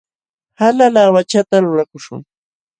Hala laawachata lulakuśhun.